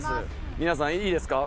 皆さんいいですか？